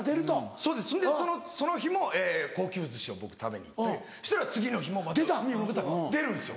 そんでその日も高級寿司を僕食べに行ってそしたら次の日もまた海物語が出るんですよ。